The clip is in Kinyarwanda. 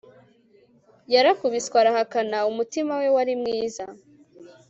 Yarakubiswe arahakana umutima we wari mwiza